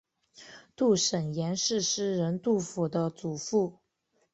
杜审言是诗人杜甫的祖父。